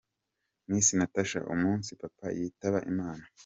Miss Natacha : Umunsi Papa yitaba Imana.